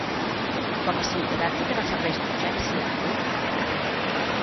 Com a ciutadà trucarà als serveis d’urgència, oi?